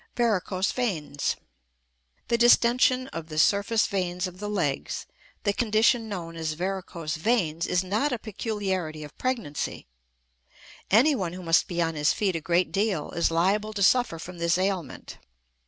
Varicose Veins. The distention of the surface veins of the legs, the condition known as varicose veins, is not a peculiarity of pregnancy. Anyone who must be on his feet a great deal is liable to suffer from this ailment.